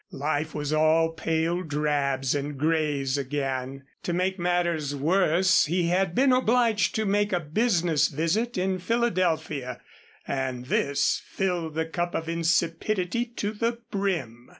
Life was all pale drabs and grays again. To make matters worse he had been obliged to make a business visit in Philadelphia, and this filled the cup of insipidity to the brim.